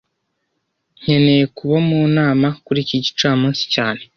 Nkeneye kuba mu nama kuri iki gicamunsi cyane